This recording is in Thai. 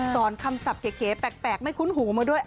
สอนคำศัพท์เก๋แปลกไม่คุ้นหูมาด้วย